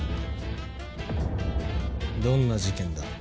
どんな事件だ？